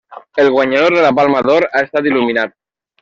El guanyador de la Palma d'Or ha estat il·luminat.